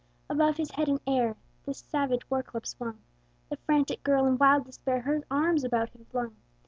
Above his head in air The savage war club swung: The frantic girl, in wild despair, Her arms about him flung.